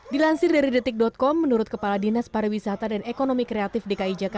dilansir dari detik com menurut kepala dinas pariwisata dan ekonomi kreatif dki jakarta